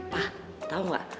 pak tau gak